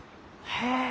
へえ。